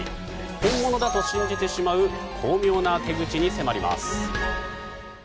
本物だと信じてしまう巧妙な手口に迫ります。